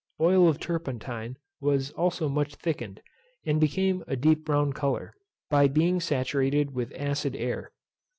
Oil of turpentine was also much thickened, and became of a deep brown colour, by being saturated with acid air.